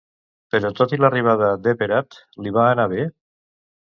Però tot i l'arribada d'Eperat, li va anar bé?